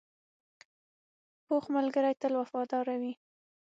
پوخ ملګری تل وفادار وي